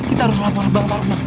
umi kita harus melapor bangkot